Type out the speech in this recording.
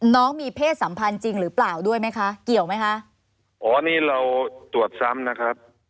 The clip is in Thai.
น้องมีเพศสัมพันธ์จริงหรือเปล่าด้วยไหมคะเกี่ยวไหมคะอ๋อนี่เราตรวจซ้ำนะครับ